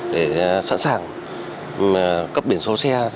để sẵn sàng cấp điển số xe